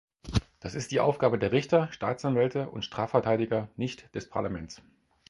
Das ist die Aufgabe der Richter, Staatsanwälte und Strafverteidiger, nicht des Parlaments.